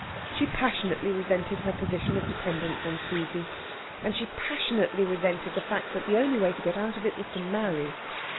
She passionately resented her position of dependence on Susie, and she passionately resented the fact that the only way to get out of it was to marry.